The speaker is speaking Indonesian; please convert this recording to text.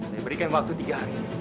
saya berikan waktu tiga hari